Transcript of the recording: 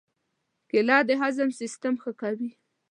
کېله د هضم سیستم ښه کوي.